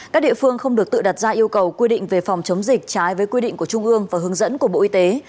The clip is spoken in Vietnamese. các địa phương không được tự đặt ra yêu cầu quy định về phòng chống dịch trái với quy định của trung ương và hướng dẫn của bộ y tế